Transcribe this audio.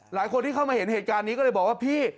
หลายคนที่เข้ามาเห็นเหตุการณ์นี้ก็เลยบอกว่าพี่